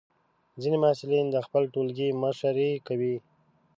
ځینې محصلین د خپل ټولګي مشري کوي.